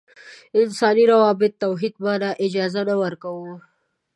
انساني روابطو توحید معنا اجازه نه ورکوو.